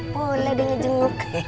boleh dong ngejenguk